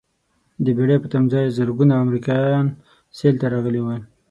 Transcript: د بېړۍ په تمځاې زرګونه امریکایان سیل ته راغلي ول.